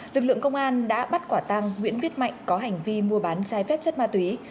lực lượng công an đã bắt quả tăng nguyễn viết mạnh có hành vi mua bán trái phép chất ma túy